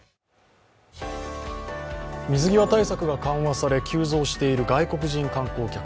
水際対策が緩和され急増している外国人観光客。